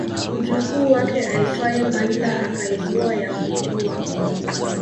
Mjukuu wake aitwaye Mandla akaibua ya kuibua